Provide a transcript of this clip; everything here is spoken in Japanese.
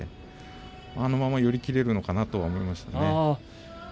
あのまま寄り切れるのかなと思いました。